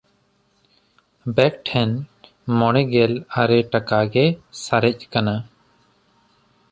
ᱵᱮᱠ ᱴᱷᱮᱱ ᱢᱚᱬᱮᱜᱮᱞ ᱵᱟᱨ ᱴᱟᱠᱟ ᱜᱮ ᱥᱟᱨᱮᱡ ᱠᱟᱱᱟ᱾